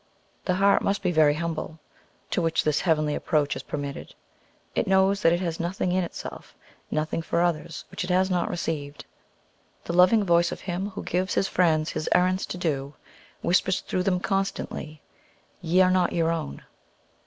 The heart must be very humble to which this heavenly approach is permitted. It knows that it has nothing in itself, nothing for others, which it has not received. The loving Voice of Him who gives his friends his errands to do whispers through them constantly, "Ye are not your own."